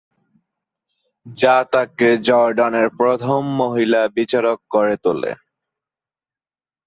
যা তাকে জর্ডানের প্রথম মহিলা বিচারক করে তোলে।